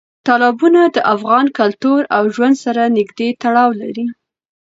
تالابونه د افغان کلتور او ژوند سره نږدې تړاو لري.